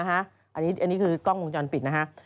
อันนี้คือกล้องวงจรปิดนะฮะ